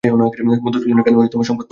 মধুসূদনের কানেও সংবাদ পৌঁচেছে।